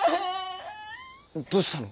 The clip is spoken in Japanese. どうしたの？